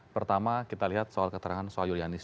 pertama kita lihat soal keterangan soal yulianis